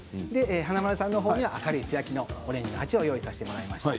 華丸さんには明るい素焼きのオレンジの鉢を用意させていただきました。